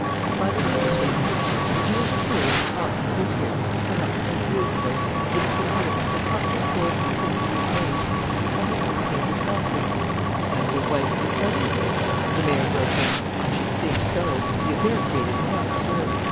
"By the way, Monsieur le Maire, did you ever hear any talk in the district, perhaps two years ago, of the disappearance of a couple forty or fifty years of age? The husband's name was Alfred " "And the wife's Victorine, eh?" the mayor broke in. "I should think so! The affair created some stir.